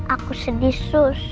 aku sedih sus